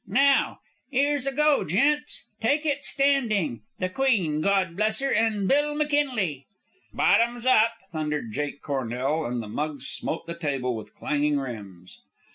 Now! 'Ere's a go, gents! Take it standing. The Queen, Gawd bless 'er, and Bill McKinley!" "Bottoms up!" thundered Jake Cornell, and the mugs smote the table with clanging rims.